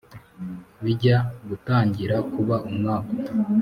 Bijya gutangira kuba umwaku